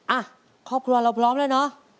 อ่ะครอบครัวเราพร้อมแล้วเนอะ